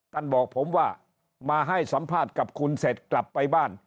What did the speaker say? บอกผมว่ามาให้สัมภาษณ์กับคุณเสร็จกลับไปบ้าน